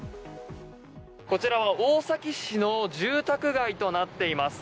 こちらは大崎市の住宅街となっています。